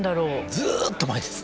ずーっと前です